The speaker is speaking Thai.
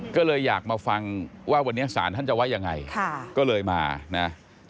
ก็เลยอยากมาฟังว่าวันนี้ศาลท่านจะว่ายังไงก็เลยมานะ